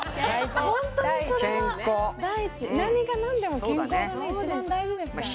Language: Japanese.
ホントにそれは第一健康何が何でも健康がね一番大事ですからね